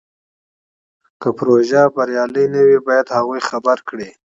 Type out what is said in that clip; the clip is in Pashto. که پروژه بریالۍ نه وي باید هغوی خبر کړي.